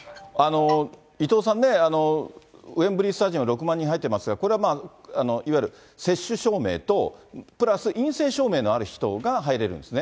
伊藤さん、ウェンブリースタジアム６万人入っていますが、これはいわゆる接種証明と、プラス陰性証明のある人が入れるんですね。